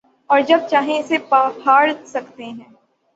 اوروہ جب چاہیں اسے پھاڑ سکتے ہیں۔